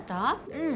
うん。